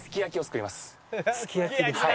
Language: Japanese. すき焼きですか？